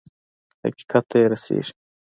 حقيقت ته يې رسېږي.